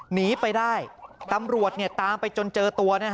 หนีไปได้ตำรวจตามไปจนเจอตัว